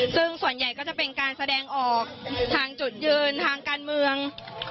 ซึ่งส่วนใหญ่ก็จะเป็นการแสดงออกทางจุดยืนทางการเมือง